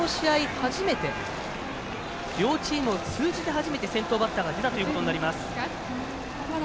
初めて両チームを通じて初めて先頭バッターが出たということになります。